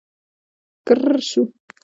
ګررر شو.